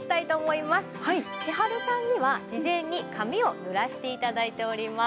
千春さんには事前に髪をぬらして頂いております。